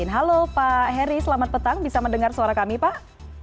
halo pak heri selamat petang bisa mendengar suara kami pak